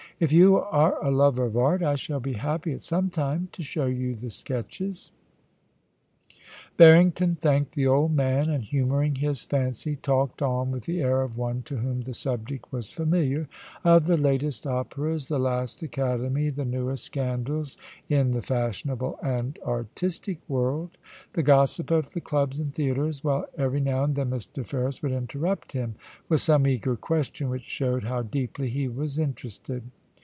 If you are a lover of art, I shall be happy at some time to show you the sketches.' Barrington thanked the old man, and, humouring his fancy, talked on with the air of one to whom the subject was familiar, of the latest operas, the last Academy, the newest scandals in the fashionable and artistic world, the gossip of the clubs and theatres, while every now and then Mr. Ferris would interrupt him with some eager question which showed how deeply he was interested.